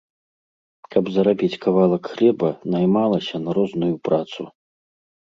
Каб зарабіць кавалак хлеба, наймалася на розную працу.